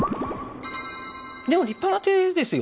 でも立派な手ですよね。